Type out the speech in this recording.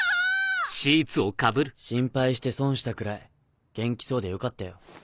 心配して損したくらい元気そうでよかったよ。